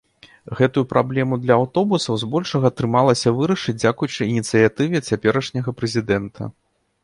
Гэтую праблему для аўтобусаў збольшага атрымалася вырашыць, дзякуючы ініцыятыве цяперашняга прэзідэнта.